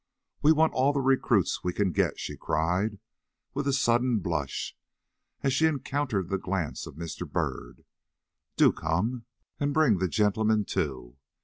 "We want all the recruits we can get," she cried, with a sudden blush, as she encountered the glance of Mr. Byrd. "Do come, and bring the gentleman too."